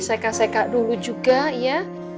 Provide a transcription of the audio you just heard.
seka seka dulu juga ya